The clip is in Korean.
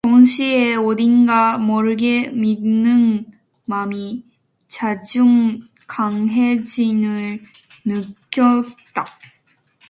동시에 어딘가 모르게 믿는 맘이 차츰 강해짐을 느꼈다.